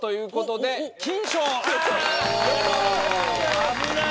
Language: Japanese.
危ない！